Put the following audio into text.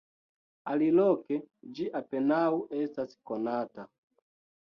Aliloke ĝi apenaŭ estas konata.